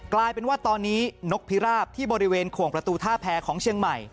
กลายเป็นว่าตอนนี้นกพิราบที่บริเวณขวงประตูท่าแพรของเชียงใหม่